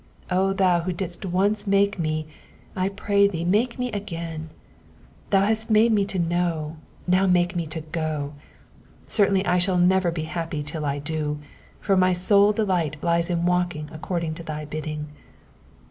O thou who didst once make me, I pray thee make me again : thou hast made me to know ; now make me to go. Certainly I shall never be happy till I do, for my sole delight lies in walking according to thy bidding.